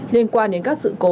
liên quan đến các sự cố